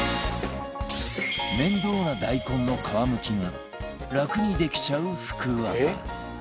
面倒な大根の皮むきが楽にできちゃう福ワザ